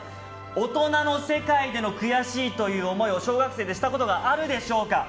大人の世界での悔しいという思いを小学生でしたことがあるでしょうか。